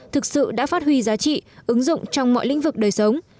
thực sự đã phát huy giá trị ứng dụng trong mọi lĩnh vực đời sống